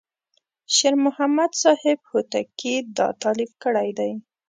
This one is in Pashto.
شیر محمد صاحب هوتکی دا تألیف کړی دی.